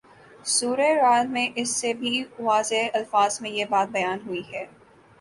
سورۂ رعد میں اس سے بھی واضح الفاظ میں یہ بات بیان ہوئی ہے